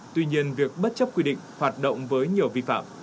tuy nhiên việc bất chấp quy định hoạt động với nhiều vi phạm